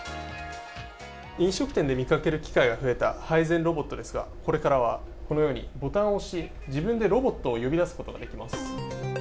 飲食店で見かける機会が増えた配膳ロボットですが、これからはこのようにボタンを押し自分でロボットを呼び出すことができます。